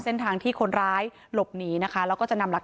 ตอนนั้นก็มีลูกชายไว้๒๐วันที่แม่ยายอุ้มอยู่